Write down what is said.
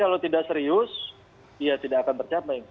kalau tidak serius ya tidak akan tercapai